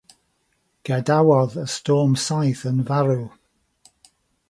Gadawodd y storm saith yn farw.